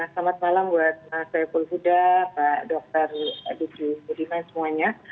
selamat malam buat saya pulfuda pak dr diki budiman semuanya